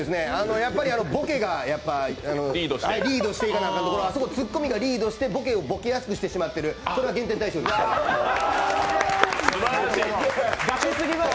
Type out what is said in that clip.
やっぱりボケがリードしていかなあかんところ、あそこ突っ込みがリードしてボケがボケやすくしてしまってるこれは減点対象です。